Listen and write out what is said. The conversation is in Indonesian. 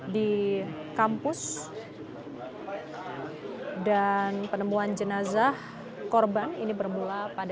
di kampus dan penemuan jenazah korban ini bermula pada